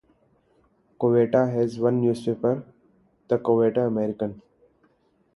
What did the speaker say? Coweta has one newspaper, the Coweta American.